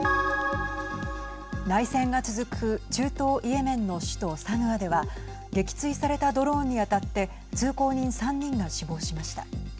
内戦が続く中東イエメンの首都サヌアでは撃墜されたドローンに当たって通行人３人が死亡しました。